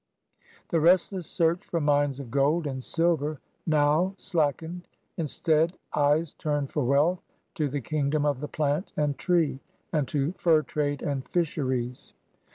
The restless search for mines of gold and silver now slackened. Instead eyes turned for wealth to the kingdom of the plant and tree, and to fur trade and fisheries.